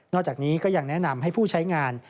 จากนี้ก็ยังแนะนำให้ผู้ใช้งาน